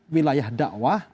manusia di wilayah dakwah